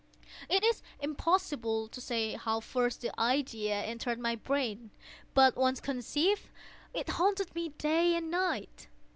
It is impossible to say how first the idea entered my brain; but once conceived, it haunted me day and night.